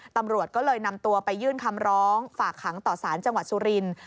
ตำรวจก็เลยนำตัวไปยื่นคำร้องฝากขังต่อสารจังหวัดสุรินทร์